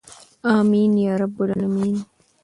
امین یا رب العالمین.